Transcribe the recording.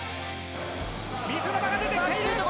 水沼が出てきている！